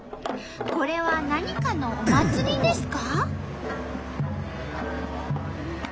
これは何かのお祭りですか？